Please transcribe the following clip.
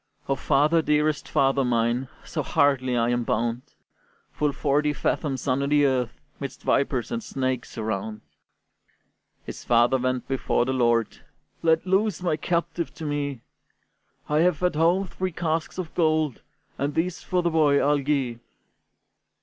"O father, dearest father mine, So hardly I am bound, Full forty fathoms under the earth, 'Midst vipers and snakes around!" His father went before the lord: "Let loose thy captive to me! I have at home three casks of gold, And these for the boy I'll gi'e."